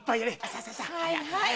はいはい。